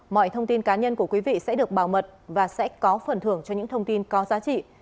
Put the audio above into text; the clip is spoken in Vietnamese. mọi thông tin cá nhân của quý vị sẽ được bảo mật và sẽ có phần thưởng cho những thông tin có giá trị